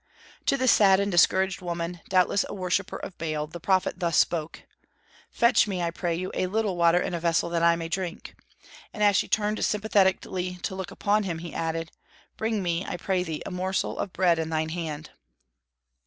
To this sad and discouraged woman, doubtless a worshipper of Baal, the prophet thus spoke: "Fetch me, I pray you, a little water in a vessel that I may drink;" and as she turned sympathetically to look upon him, he added, "Bring me, I pray thee, a morsel of bread in thine hand."